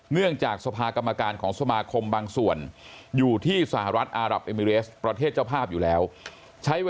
เนื่องจากสภากรรมการของสมาคมบางส่วนอยู่ที่สหรัฐอารับเอมิเรสประเทศเจ้าภาพอยู่แล้ว